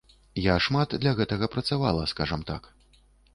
Я шмат для гэтага працавала, скажам так.